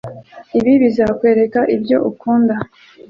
Ibi bizakwereka ibyo akunda